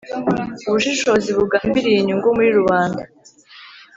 ubushishozi bugambiriye inyungu muri rubanda